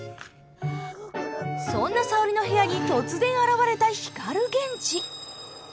そんな沙織の部屋に突然現れた光源氏。